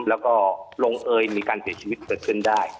แล้วก็ลงเอยมีการเสียชีวิตเกิดขึ้นได้